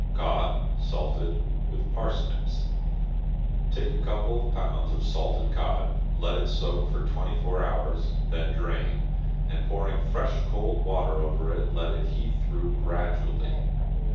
=Cod, Salted, with Parsnips.= Take a couple of pounds of salted cod, let it soak for twenty four hours, then drain, and pouring fresh cold water over it let it heat through gradually.